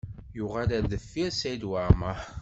Yuɣal ar deffir Saɛid Waɛmaṛ.